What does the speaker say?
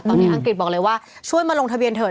ตอนนี้อังกฤษบอกเลยว่าช่วยมาลงทะเบียนเถอ